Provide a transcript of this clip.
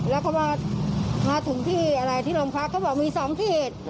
และเขามาถึงที่ลงพักมีสองที